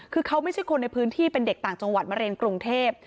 คือเขาไม่ใช่คนในพื้นที่เป็นเด็กต่างจังหวัดมาเรียนกรุงเทพ